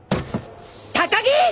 高木！